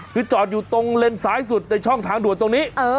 คือจอดอยู่ตรงเลนซ้ายสุดในช่องทางด่วนตรงนี้